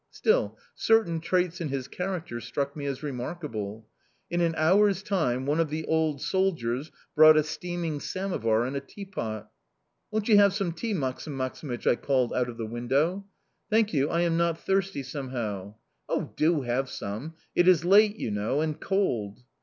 Still, certain traits in his character struck me as remarkable. In an hour's time one of the old soldiers brought a steaming samovar and a teapot. "Won't you have some tea, Maksim Maksimych?" I called out of the window. "Thank you. I am not thirsty, somehow." "Oh, do have some! It is late, you know, and cold!"